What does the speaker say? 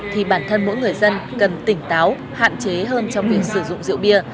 thì bản thân mỗi người dân cần tỉnh táo hạn chế hơn trong việc sử dụng rượu bia